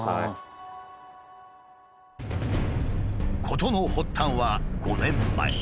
事の発端は５年前。